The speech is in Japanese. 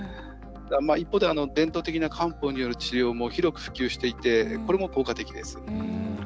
一方で伝統的な漢方による治療も広く普及していてこれも効果的です。